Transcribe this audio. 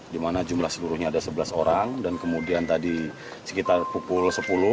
di mana jumlah seluruhnya ada sebelas orang dan kemudian tadi sekitar pukul sepuluh